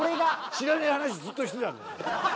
知らねえ話ずっとしてた。